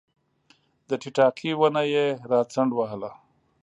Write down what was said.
د ټیټاقې ونه یې راڅنډ وهله